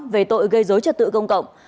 về tội gây dối trật tự công cộng